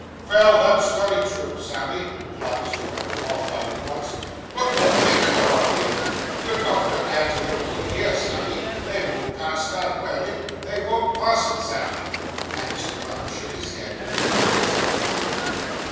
'Vell, that's wery true, Sammy,' replied Mr. Weller, mollified at once; 'but wot are you a doin' on here? Your gov'nor can't do no good here, Sammy. They won't pass that werdick, they won't pass it, Sammy.' And Mr. Weller shook his head with legal solemnity.